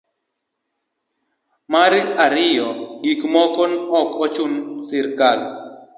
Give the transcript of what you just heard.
mar ariyo gik moko ok ochuno srikal